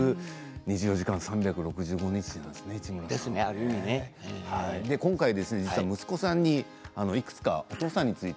２４時間３６５日なんですね市村さんにとって。